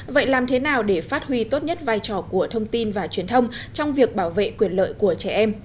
vậy làm thế nào để phát huy tốt nhất vai trò của thông tin và truyền thông trong việc bảo vệ quyền lợi của trẻ em